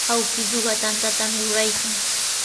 Awkilluuqa tantatami ruraykan.